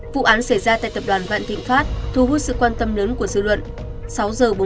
vụ án xảy ra tại tập đoàn vạn thịnh pháp thu hút sự quan tâm lớn của dư luận